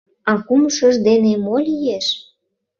А кумшыж дене мо лиеш?